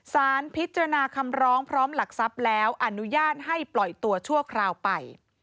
สารพิจารณาคำร้องพร้อมหลักทรัพย์แล้วอนุญาตให้ปล่อยตัวชั่วคราวไป